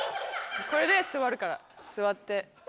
これで座るから座って。